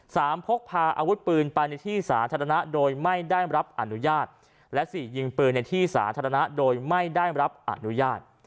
พกพาอาวุธปืนไปในที่สาธารณะโดยไม่ได้รับอนุญาตและสี่ยิงปืนในที่สาธารณะโดยไม่ได้รับอนุญาต